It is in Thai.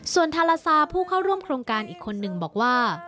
ส่วนทาลาซาผู้เข้าร่วมโครงการอีกคนนึงบอกว่า